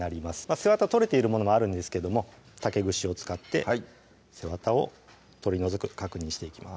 背わた取れているものもあるんですけども竹串を使って背わたを取り除く確認していきます